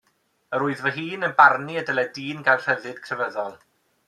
Yr wyf fy hun yn barnu y dylai dyn gael rhyddid crefyddol.